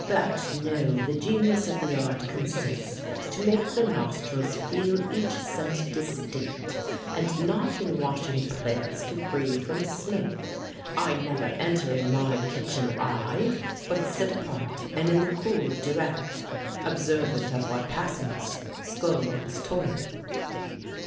But, know, the genius of the art consists To make the nostrils feel each scent distinct; And not in washing plates to free from smoke. I never enter in my kitchen, I! But sit apart, and in the cool direct, Observant of what passes, scullions' toil.